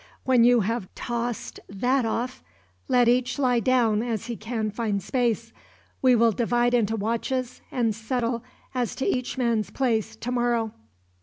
When you have tossed that off, let each lie down as he can find space. We will divide into watches, and settle as to each man's place, tomorrow.